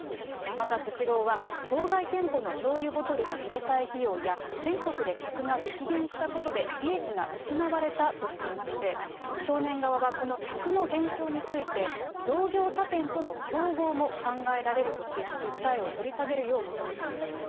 またスシローは、当該店舗のしょうゆボトルの入れ替え費用や、全国で客が激減したことで利益が失われたとしていまして、少年側はこの客の減少について、同業他店との競合も考えられるとし、訴えを取り下げるよう求めています。